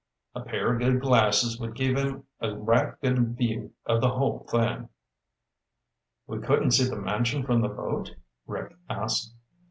A pair of good glasses would give him a right good view of the whole thing." "We couldn't see the mansion from the boat?" Rick asked.